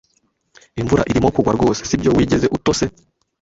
Imvura irimo kugwa rwose, sibyo? Wigeze utose?